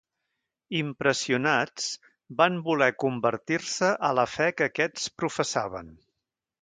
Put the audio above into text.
Impressionats, van voler convertir-se a la fe que aquests professaven.